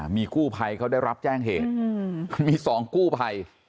มีกู้ภัยเขาได้รับแจ้งเหตุมี๒กู้ภัย